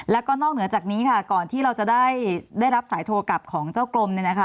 แล้วก็นอกเหนือจากนี้ค่ะก่อนที่เราจะได้รับสายโทรกลับของเจ้ากรมเนี่ยนะคะ